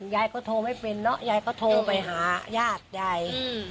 ยายก็โทรไม่เป็นเนอะยายก็โทรไปหาญาติยาย